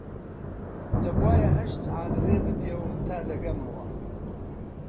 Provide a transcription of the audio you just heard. دەبوایە هەشت سەعات ڕێ بپێوم تا دەگەمەوە